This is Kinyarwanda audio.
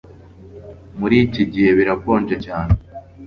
Muri iki gihe birakonje cyane